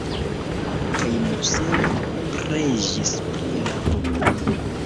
Kaj Moseo preĝis pri la popolo.